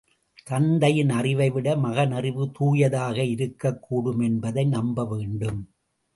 தந்தையின் அறிவைவிட மகனறிவு தூயதாக இருக்கக்கூடும் என்பதை நம்பவேண்டும்.